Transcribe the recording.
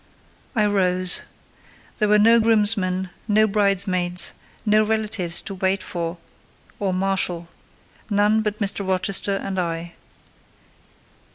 I rose. There were no groomsmen, no bridesmaids, no relatives to wait for or marshal: none but Mr. Rochester and I.